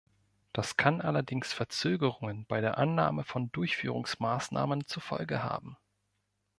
Das kann allerdings Verzögerungen bei der Annahme von Durchführungsmaßnahmen zur Folge haben.